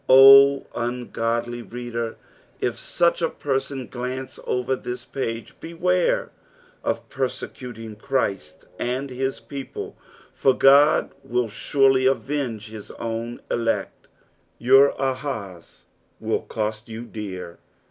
O ungodly reader, if such a person glance over this psge, beware of persecuting Christ and his people, for God will eurel;^ avenge his own elect. Tour " ahas" will coat you dear.